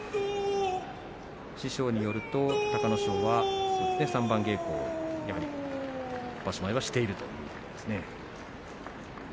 師匠によると隆の勝は三番稽古を場所前はしているということです。